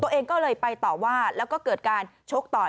ตัวเองก็เลยไปต่อว่าแล้วก็เกิดการชกต่อย